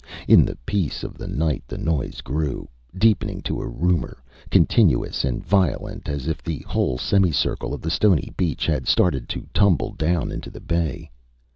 In the peace of the night the noise grew, deepening to a rumour, continuous and violent, as if the whole semicircle of the stony beach had started to tumble down into the bay.